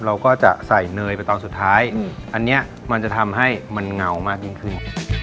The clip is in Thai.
เราก็จะใส่เนยไปตอนสุดท้ายอันนี้มันจะทำให้มันเงามากยิ่งขึ้น